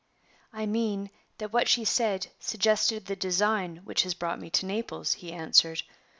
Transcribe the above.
"I mean that what she said suggested the design which has brought me to Naples," he answered.